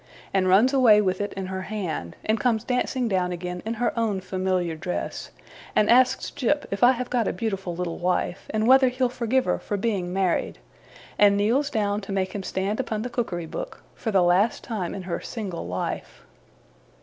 and runs away with it in her hand; and comes dancing down again in her own familiar dress, and asks Jip if I have got a beautiful little wife, and whether he'll forgive her for being married, and kneels down to make him stand upon the cookery book, for the last time in her single life.